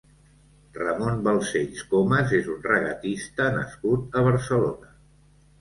Ramón Balcells Comas és un regatista nascut a Barcelona.